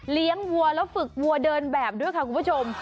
วัวแล้วฝึกวัวเดินแบบด้วยค่ะคุณผู้ชม